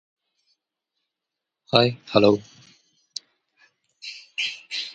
The modern court house is located a few blocks north.